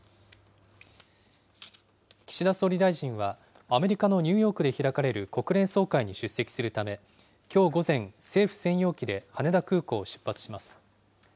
岸田総理大臣は、アメリカのニューヨークで開かれる国連総会に出席するため、きょう午前、政府専用機で羽田空港を出発します。